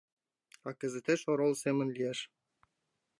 А кызытеш орол семын лиеш.